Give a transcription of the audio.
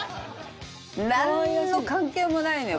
なんの関係もないのよ